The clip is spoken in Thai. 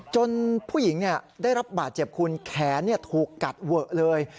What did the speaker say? ผู้หญิงได้รับบาดเจ็บคุณแขนถูกกัดเวอะเลย